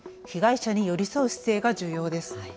被害者に寄り添う姿勢が重要です。